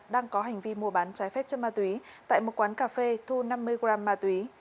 đang có hành vi mua bán trái phép chất ma túy tại một quán cà phê thu năm mươi gram ma túy